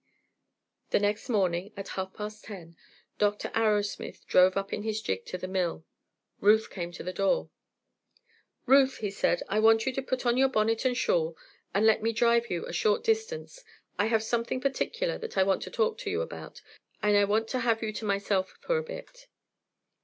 The next morning, at half past ten, Dr. Arrowsmith drove up in his gig to the mill. Ruth came to the door. "Ruth," he said, "I want you to put on your bonnet and shawl and let me drive you a short distance. I have something particular that I want to talk to you about, and want to have you to myself for a bit."